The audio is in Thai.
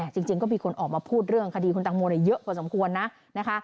จริงก็มีคนออกมาพูดเรื่องคดีคุณตังโมเยอะกว่าสมควรนะนะคะ